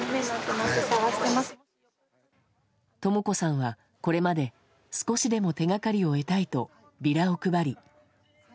とも子さんは、これまで少しでも手掛かりを得たいとビラを配り。